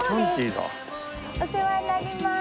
お世話になります。